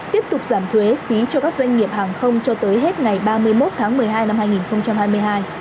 tiếp tục giảm thuế phí cho các doanh nghiệp hàng không cho tới hết ngày ba mươi một tháng một mươi hai năm hai nghìn hai mươi hai